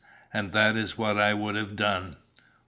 And that is what I would have done."